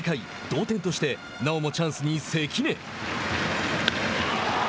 同点としてなおもチャンスに関根。